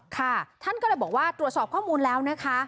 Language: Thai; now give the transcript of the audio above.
ค่ะท่านก็เลยบอกว่าตรวจสอบข้อมูลแล้วนะคะ